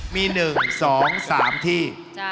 มี๑๒๓ที่